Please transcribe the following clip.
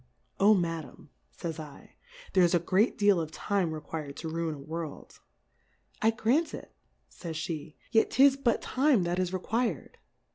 Oh, Madam, fays 7, there is a great deal of Time requir'd to ruin a World. I grant it, fays Jhe^ yet 'tis but Time, that is requir'd.